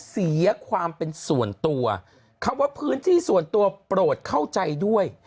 เสียความเป็นส่วนตัวคำว่าพื้นที่ส่วนตัวโปรดเข้าใจด้วย